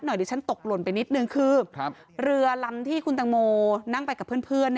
ดิฉันตกหล่นไปนิดนึงคือเรือลำที่คุณตังโมนั่งไปกับเพื่อน